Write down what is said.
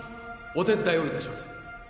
お手伝いをいたします